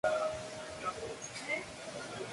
La canción incluye un arreglo de gospel en los coros.